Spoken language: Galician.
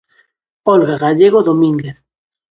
Olga Gallego Domínguez.